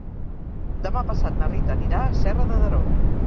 Demà passat na Rita anirà a Serra de Daró.